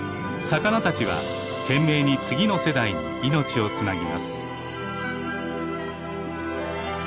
魚たちは懸命に次の世代に命をつなぎます。